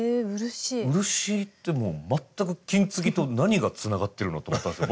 漆ってもう全く金継ぎと何がつながってるのと思ったんですよ。